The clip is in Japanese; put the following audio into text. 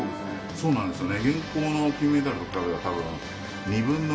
そうなんですよね。